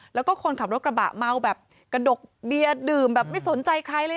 แล้วก็คนขับรถกระบะเมาแบบกระดกเบียร์ดื่มแบบไม่สนใจใครเลย